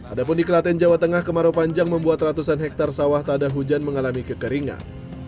adapun di kelaten jawa tengah kemarau panjang membuat ratusan hektare sawah tak ada hujan mengalami kekeringan